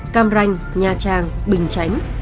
cam ranh nha trang bình chánh